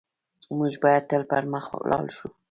موږ بايد تل پر مخ لاړ شو.